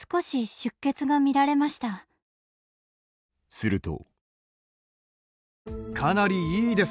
すると。